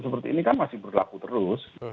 seperti ini kan masih berlaku terus